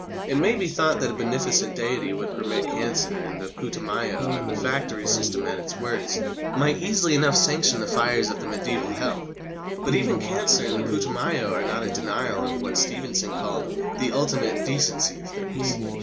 It may be thought that a beneficent Deity who could permit cancer and the Putumayo and the factory system at its worst, might easily enough sanction the fires of the mediæval Hell. But even cancer and the Putumayo are not a denial of what Stevenson called "the ultimate decency of things."